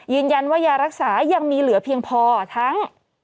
ยืนยันว่ายารักษายังมีเหลือเพียงพอทั้ง